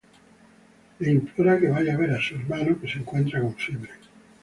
Le implora que vaya a ver a su hermano que se encuentra con fiebre.